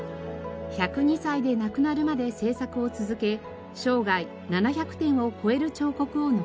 １０２歳で亡くなるまで制作を続け生涯７００点を超える彫刻を残しました。